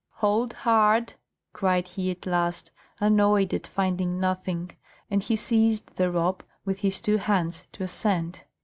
"Hold hard!" cried he at last, annoyed at finding nothing; and he seized the rope with his two hands to ascend.